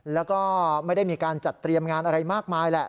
แล้วก็ไม่ได้มีการจัดเตรียมงานอะไรมากมายแหละ